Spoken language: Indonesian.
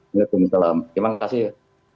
waalaikumsalam terima kasih